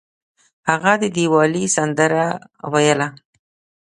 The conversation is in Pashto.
هغه د یووالي سندره ویله.